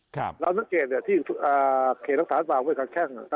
ครับแล้วสังเกตเนี่ยที่อ่าเขตรักษาธรรมไว้กับแช่งอ่ะ